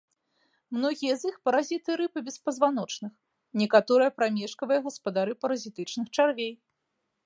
Многія з іх паразіты рыб і беспазваночных, некаторыя прамежкавыя гаспадары паразітычных чарвей.